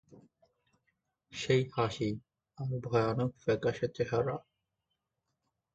সেই হাসি আর ভয়ানক ফ্যাকাশে চেহারা!